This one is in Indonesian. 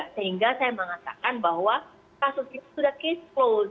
sehingga saya mengatakan bahwa kasus itu sudah case closed